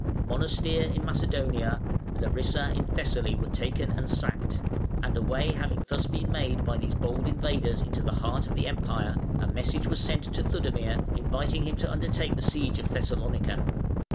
Monastir in Macedonia, Larissa in Thessaly were taken and sacked; and a way having thus been made by these bold invaders into the heart of the Empire, a message was sent to Theudemir, inviting him to undertake the siege of Thessalonica.